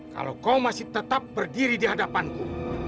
kalau kau masih tetap berdiri di hadapanku